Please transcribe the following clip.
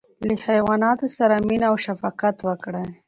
له حیواناتو سره مینه او شفقت وکړئ.